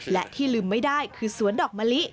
และที่ลืมไม่ได้คือสวนดอกมะลิ